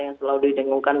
yang selalu didengungkan